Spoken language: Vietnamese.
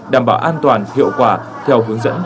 đảm bảo an toàn hiệu quả theo hướng dẫn của bộ y tế